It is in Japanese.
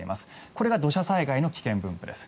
これが土砂災害の危険分布です。